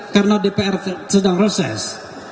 karena dpr sedang reses